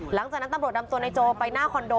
หลังจากนั้นตำรวจนำตัวนายโจไปหน้าคอนโด